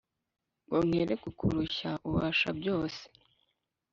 Ngo nkere kukurushya ubasha byose